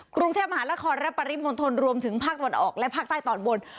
กรุงเทพมหานครและปริมณฑลรวมถึงภาคตะวันออกและภาคใต้ตอนบน